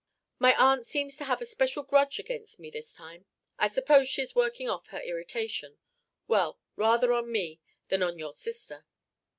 My aunt seems to have a special grudge against me this time. I suppose she is working off her irritation; well, rather on me than on your sister."